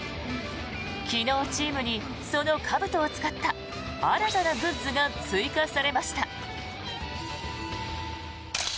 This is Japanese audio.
昨日、チームにそのかぶとを使った新たなグッズが追加されました。